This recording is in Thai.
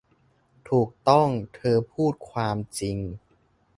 ถูกต้อง เธอพูดความจริง